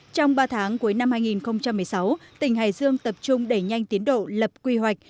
trong ba tháng cuối năm hai nghìn một mươi sáu tỉnh hải dương tập trung đẩy nhanh tiến độ lập quy hoạch